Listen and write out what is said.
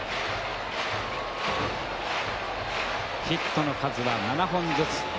ヒットの数は７本ずつ。